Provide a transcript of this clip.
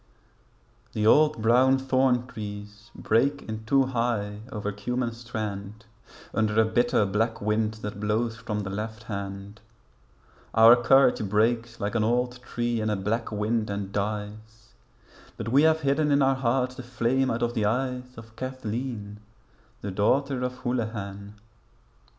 The old brown thorn trees break in two high over Cummen Strand Under a bitter black wind that blows from the left hand, Our courage breaks like an old tree in a black wind and dies; But we have hidden in our hearts the flame out of the eyes Of Cathleen the daughter of Houlihan.